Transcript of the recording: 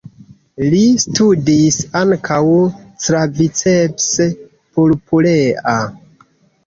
Li studis ankaŭ "Claviceps purpurea.